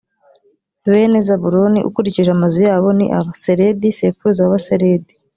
bene zabuloni, ukurikije amazu yabo ni aba: seredi sekuruza w’abaseredi.